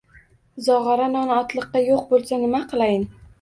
Zog‘ora non otliqqa yo‘q bo‘lsa, nima qilayin?